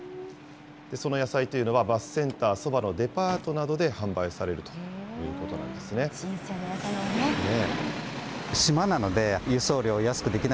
その野菜というのは、バスセンターそばのデパートなどで販売されるということなんです新鮮な野菜をね。